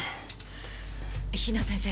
比奈先生